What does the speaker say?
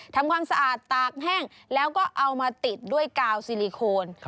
ทำความสะอาดตากแห้งแล้วก็เอามาติดด้วยกาวซิลิโคน